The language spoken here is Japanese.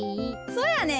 そやねん。